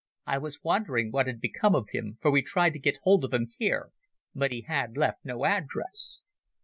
I was wondering what had become of him, for we tried to get hold of him here, but he had left no address.